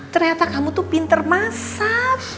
ternyata kamu tuh pinter masak